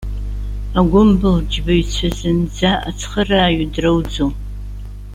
Агәымбылџьбаҩцәа зынӡа ацхырааҩы драуӡом.